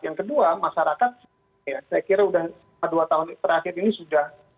yang kedua masyarakat ya saya kira sudah dua tahun terakhir ini sudah